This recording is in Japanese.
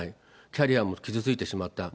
キャリアも傷ついてしまった。